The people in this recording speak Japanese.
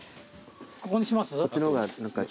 ここにします？